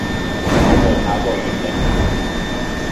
我望下個月曆